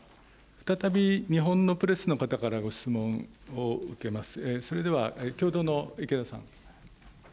再び日本のプレスの方からご質問を受けます。